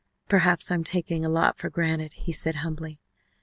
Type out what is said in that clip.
"Perhaps I'm taking a whole lot for granted," he said humbly.